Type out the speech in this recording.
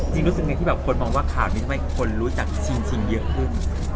รู้สึกยังไงที่แบบคนมองว่าข่าวนี้ทำให้คนรู้จักชินเยอะขึ้น